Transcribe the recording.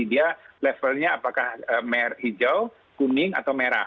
dia levelnya apakah merah hijau kuning atau merah